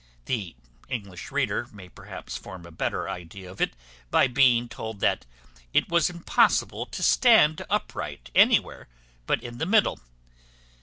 The English reader may perhaps form a better idea of it, by being told that it was impossible to stand upright anywhere but in the middle.